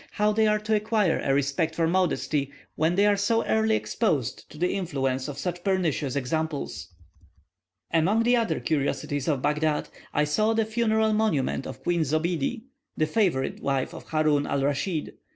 how are they to acquire a respect for modesty, when they are so early exposed to the influence of such pernicious examples. Among the other curiosities of Baghdad, I saw the funeral monument of Queen Zobiede, the favourite wife of Haroun al Raschid.